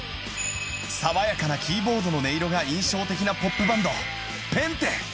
爽やかなキーボードの音色が印象的なポップバンド